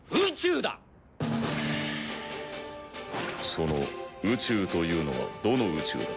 その宇宙というのはどの宇宙だ？